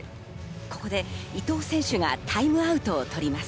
ここで伊藤選手がタイムアウトを取ります。